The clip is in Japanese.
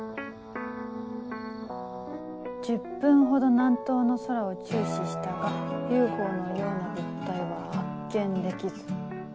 「１０分ほど南東の空を注視したがＵＦＯのような物体は発見できず」。